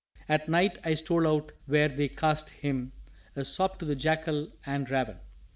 At night I stole out where they cast him, a sop to the jackal and raven.